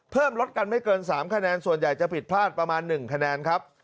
ลดกันไม่เกิน๓คะแนนส่วนใหญ่จะผิดพลาดประมาณ๑คะแนนครับ